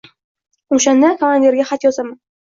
O‘shanda kamandiriga xat yozaman.